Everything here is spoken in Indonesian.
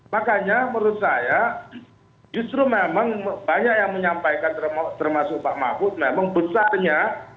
makanya menurut saya justru memang banyak yang menyampaikan termasuk pak mahfud memang besarnya